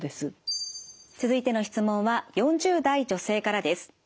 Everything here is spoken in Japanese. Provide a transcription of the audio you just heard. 続いての質問は４０代女性からです。